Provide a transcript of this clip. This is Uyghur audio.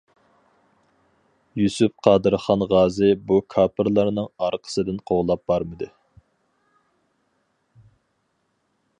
يۈسۈپ قادىرخان غازى بۇ كاپىرلارنىڭ ئارقىسىدىن قوغلاپ بارمىدى.